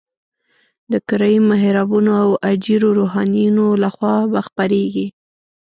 د کرایي محرابونو او اجیرو روحانیونو لخوا به خپرېږي.